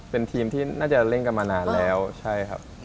เป็นทีมที่น่าจะเล่นกันมานานแล้วใช่ครับ